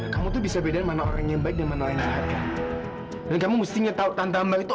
kamu tuh bisa beda mana orang yang baik dan mana yang salah dan kamu mustinya tahu tante ambar itu